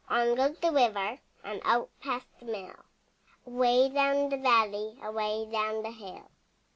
On goes the river And out past the mill, Away down the valley, Away down the hill.